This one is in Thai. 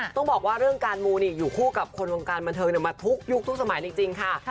ต้องบอกว่าเรื่องการมูนี่อยู่คู่กับคนวงการบันเทิงมาทุกยุคทุกสมัยจริงค่ะ